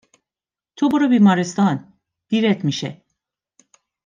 تو برو بیمارستان! دیرت میشه